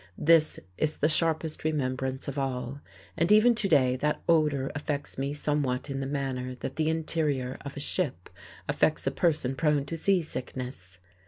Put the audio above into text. This is the sharpest remembrance of all, and even to day that odour affects me somewhat in the manner that the interior of a ship affects a person prone to seasickness.